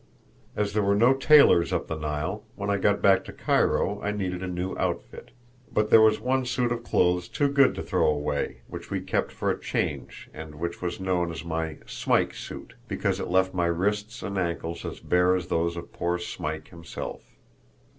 As there were no tailors up the Nile, when I got back to Cairo I needed a new outfit. But there was one suit of clothes too good to throw away, which we kept for a "change," and which was known as my "Smike suit," because it left my wrists and ankles as bare as those of poor Smike himself.